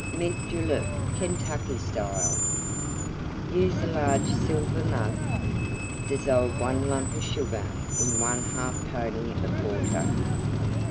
MINT JULEP Kentucky Style Use a large Silver Mug. Dissolve one lump of Sugar in one half pony of Water.